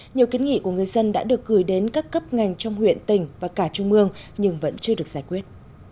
nhiều kiến nghị của người dân đã được gửi đến các cấp ngành trong huyện tỉnh và cả trung mương nhưng vẫn chưa được giải quyết